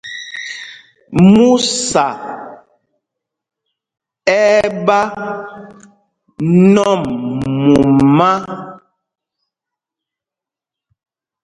Músa ɛ́ ɛ́ ɓá nɔm mumá.